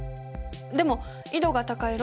でも緯度が高い